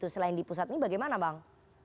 selain di pusat ini bagaimana bang